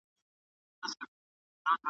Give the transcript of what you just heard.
نه هدف چاته معلوم دی نه په راز یې څوک پوهیږي `